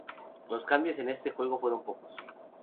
Los cambios en este juego fueron pocos.